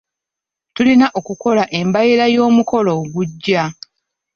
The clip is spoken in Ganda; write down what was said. Tulina okukola embalirira y'omukolo ogujja.